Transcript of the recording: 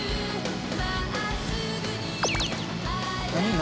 何？